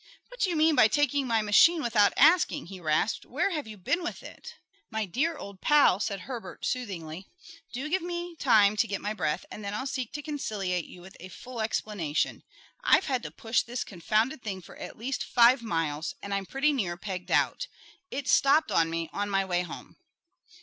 "What do you mean by taking my machine without asking?" he rasped. "Where have you been with it?" "My dear old pal," said Herbert soothingly, "do give me time to get my breath, and then I'll seek to conciliate you with a full explanation. I've had to push this confounded thing for at least five miles, and I'm pretty near pegged out. It stopped on me on my way home."